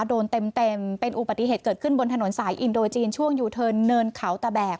โดนเต็มเป็นอุบัติเหตุเกิดขึ้นบนถนนสายอินโดจีนช่วงยูเทิร์นเนินเขาตะแบก